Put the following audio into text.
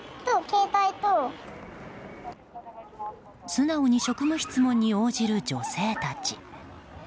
素直に職務質問に応じる女性たち。